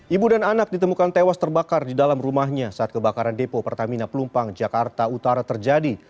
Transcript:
ibu dan anak ditemukan tewas terbakar di dalam rumahnya saat kebakaran depo pertamina pelumpang jakarta utara terjadi